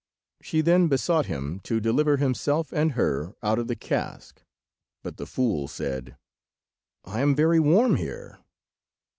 She then besought him to deliver himself and her out of the cask, but the fool said— "I am very warm here."